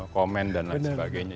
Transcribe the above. komen dan lain sebagainya